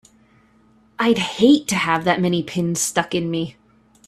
I'd hate to have that many pins stuck in me!